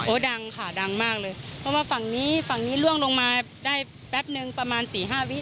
ดังค่ะดังมากเลยเพราะว่าฝั่งนี้ฝั่งนี้ล่วงลงมาได้แป๊บนึงประมาณสี่ห้าวิ